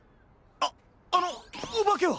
あっあのおばけは？